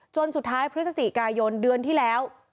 สุดท้ายพฤศจิกายนเดือนที่แล้ว